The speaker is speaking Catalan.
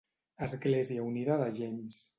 Església Unida de James.